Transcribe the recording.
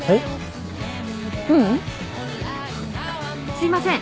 すいません。